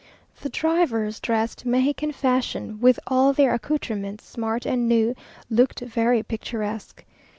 The drivers, dressed Mexican fashion, with all their accoutrements smart and new, looked very picturesque.